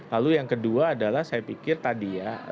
lalu yang kedua adalah saya pikir tadi ya